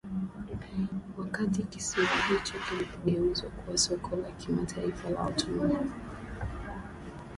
wakati kisiwa hicho kilipogeuzwa kuwa soko la kimataifa la watumwa